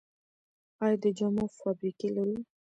آیا د جامو فابریکې لرو؟